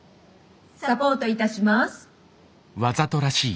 「サポートいたします」。